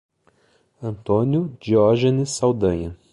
Antônio Diogenes Saldanha